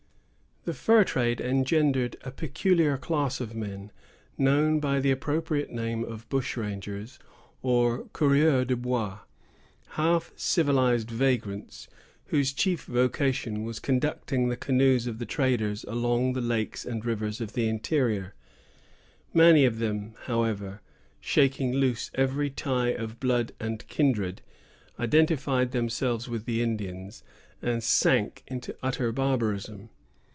The fur trade engendered a peculiar class of men, known by the appropriate name of bush rangers, or coureurs de bois, half civilized vagrants, whose chief vocation was conducting the canoes of the traders along the lakes and rivers of the interior; many of them, however, shaking loose every tie of blood and kindred, identified themselves with the Indians, and sank into utter barbarism.